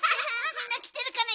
みんなきてるかな？